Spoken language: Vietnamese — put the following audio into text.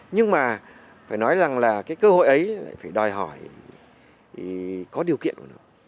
nhưng mà phải nói rằng là cái cơ hội ấy lại phải đòi hỏi có điều kiện của nó